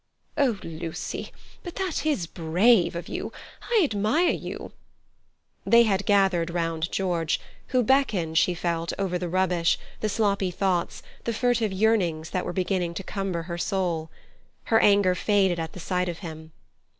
"Oh, Lucy, but that is brave of you! I admire you—" They had gathered round George, who beckoned, she felt, over the rubbish, the sloppy thoughts, the furtive yearnings that were beginning to cumber her soul. Her anger faded at the sight of him.